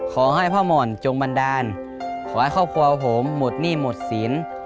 ขอให้พ่อหม่อนจงบันดาลขอให้ครอบครัวผมหมดหนี้หมดศีล